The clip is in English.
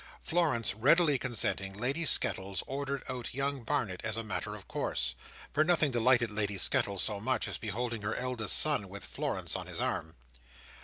Florence readily consenting, Lady Skettles ordered out young Barnet as a matter of course. For nothing delighted Lady Skettles so much, as beholding her eldest son with Florence on his arm.